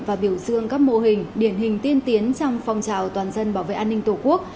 và biểu dương các mô hình điển hình tiên tiến trong phong trào toàn dân bảo vệ an ninh tổ quốc